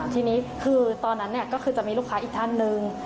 ทีนี้คือตอนนั้นก็คือจะมีลูกค้าอีกท่านหนึ่ง